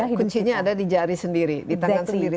kuncinya ada di jari sendiri di tangan sendiri